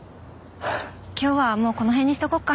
今日はもうこのへんにしとこっか。